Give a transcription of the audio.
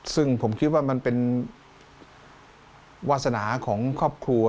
ซึ่งผมคิดว่ามันเป็นวาสนาของครอบครัว